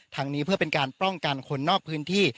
ทางนี้เพื่อเป็นการป้องกันคนนอกพื้นที่